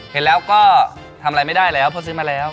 เห็นแล้วก็ทำอะไรไม่ได้แล้วเพราะซื้อมาแล้ว